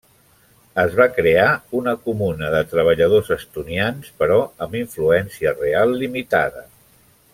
Es va crear una Comuna de Treballadors Estonians, però amb influència real limitada.